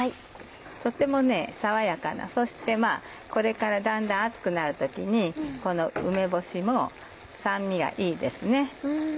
とても爽やかなそしてこれからだんだん暑くなる時にこの梅干しの酸味がいいですね。